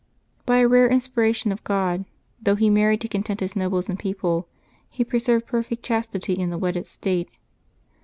By a rare inspiration of God, though he married to content his nobles and people, he preserved perfect chastity in the wedded state.